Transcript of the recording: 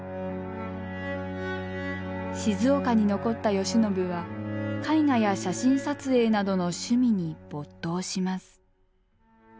静岡に残った慶喜は絵画や写真撮影などの趣味に没頭します。